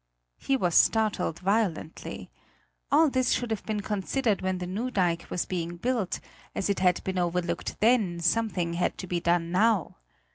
He was startled violently. All this should have been considered when the new dike was being built; as it had been overlooked then, something had to be done now.